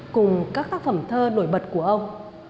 cùng các tác phẩm thơ nổi bật của ông